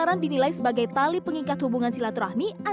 dan siap bertanggung jawab